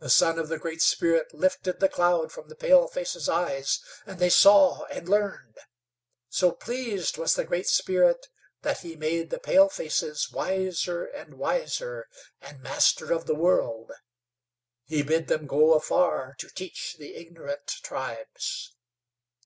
The Son of the Great Spirit lifted the cloud from the palefaces' eyes, and they saw and learned. So pleased was the Great Spirit that He made the palefaces wiser and wiser, and master of the world. He bid them go afar to teach the ignorant tribes.